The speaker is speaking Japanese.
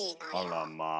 あらまあ。